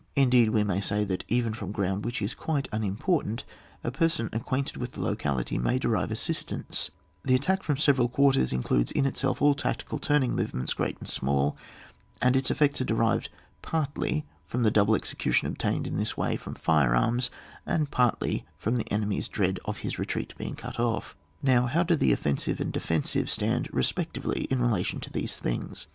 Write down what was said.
Indeed we may say that even from ground which is quite unim portant a person acquainted with the locality may derive assistance The at tack from several quarters includes in itself all tactical turning movements great and small, and its effects are de rived partly from the double execution obtained in this way from fire arms, and partly from the enemy's dread of his retreat being cut off. Now how do the offensive and defen sive stand respectively in relation to these things